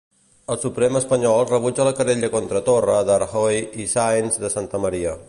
El Suprem espanyol rebutja la querella contra Torra de Rajoy i Sáenz de Santamaría.